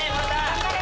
頑張れ。